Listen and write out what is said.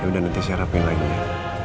ya udah nanti saya rapi lagi ya